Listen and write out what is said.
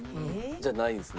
じゃないんですね。